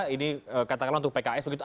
ini katakanlah untuk pks begitu